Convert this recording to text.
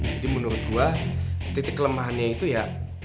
jadi menurut gue titik kelemahannya itu ya